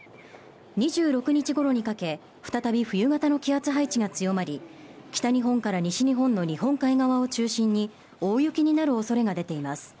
２６日ごろにかけ再び冬型の気圧配置が強まり北日本から西日本の日本海側を中心に大雪になる恐れが出ています